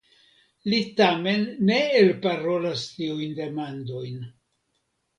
Li tamen ne elparolas tiujn demandojn.